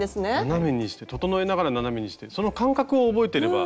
斜めにして整えながら斜めにしてその感覚を覚えてれば。